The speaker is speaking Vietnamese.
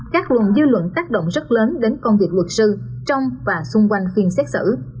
các luận dư luận tác động rất lớn đến công việc luật sư trong và xung quanh phiên xét xử